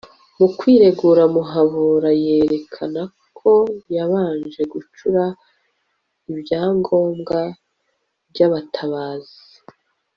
mu kwiregura muhabura yerekana ko yabanje gucura ibyangombwa by'abatabazi